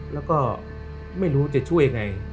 แล้วก็ไม่รู้จะช่วยยังไง